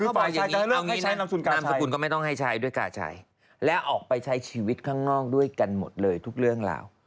คือบอกอย่างนี้เอาง่ายนามสกุลก็ไม่ต้องให้ใช้ด้วยกาชัยและออกไปใช้ชีวิตข้างนอกด้วยกันหมดเลยทุกเรื่องราว